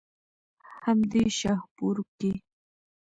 هم دې شاهپور کښې